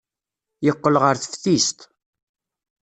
Yeqqel ɣer teftist.